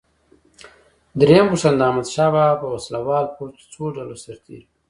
درېمه پوښتنه: د احمدشاه بابا په وسله وال پوځ کې څو ډوله سرتیري وو؟